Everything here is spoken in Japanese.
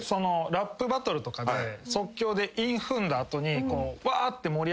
ラップバトルとかで即興で韻踏んだ後に。